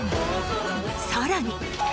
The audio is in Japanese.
さらに。